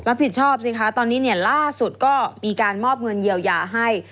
รับผิดชอบสิคะตอนนี้ล่าสุดก็มีการมอบเงินเยียวยาให้